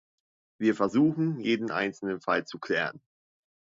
Wir versuchen, jeden einzelnen Fall zu klären.